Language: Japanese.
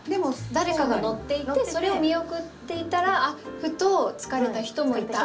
誰かが乗っていてそれを見送っていたらふと疲れた人もいた。